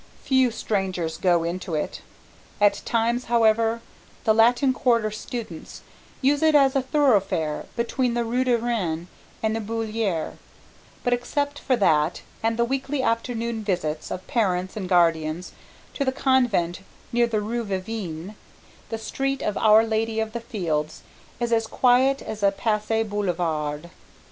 Few strangers go into it. At times, however, the Latin Quarter students use it as a thoroughfare between the rue de Rennes and the Bullier, but except for that and the weekly afternoon visits of parents and guardians to the Convent near the rue Vavin, the street of Our Lady of the Fields is as quiet as a Passy boulevard.